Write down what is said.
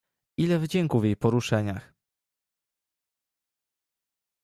"ile wdzięku w jej poruszeniach!"